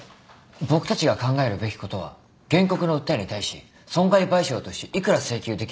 僕たちが考えるべきことは原告の訴えに対し損害賠償として幾ら請求できるかってところだよ。